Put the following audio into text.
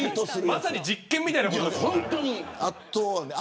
まさに実験みたいなことですからね。